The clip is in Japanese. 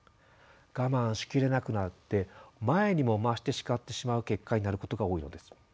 我慢し切れなくなって前にも増して叱ってしまう結果になることが多いのです。